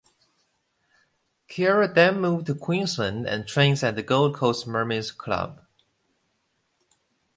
Keira then moved to Queensland and trains at The Gold Coast Mermaids Club.